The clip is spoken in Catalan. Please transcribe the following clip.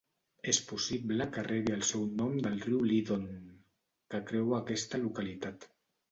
És possible que rebi el seu nom del riu Leadon, que creua aquesta localitat.